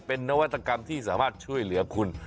เป็นนวัตกรรมที่สามารถช่วยเหลือคุณ